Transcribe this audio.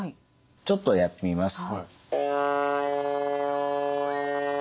ちょっとやってみます。